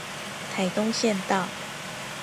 台東縣道